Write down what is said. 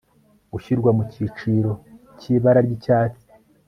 gushyirwa mu cyiciro cy ibara ry icyatsi